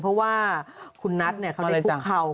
เพราะว่าคุณนัทเขาได้คุกเข่า